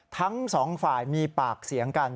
ทั้งสองฝ่ายมีปากเสียงกัน